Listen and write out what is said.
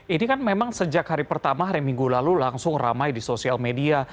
ini kan memang sejak hari pertama hari minggu lalu langsung ramai di sosial media